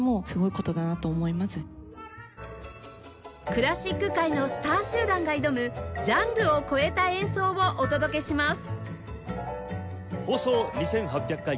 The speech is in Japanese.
クラシック界のスター集団が挑むジャンルを超えた演奏をお届けします！